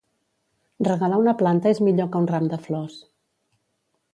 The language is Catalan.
Regalar una planta és millor que un ram de flors.